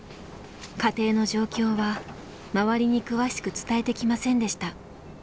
家庭の状況は周りに詳しく伝えてきませんでした。